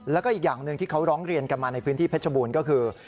แล้วก็อีกอย่างหนึ่งที่เขาร้องเรียนกันมาในพื้นที่เพชรบูรณ์ก็คือ